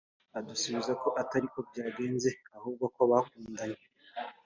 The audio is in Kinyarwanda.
adusubiza ko atari ko byagenze ahubwo ko bakundanye